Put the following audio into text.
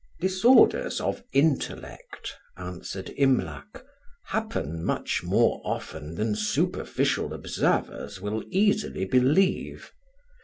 "DISORDERS of intellect," answered Imlac, "happen much more often than superficial observers will easily believe.